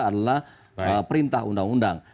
adalah perintah undang undang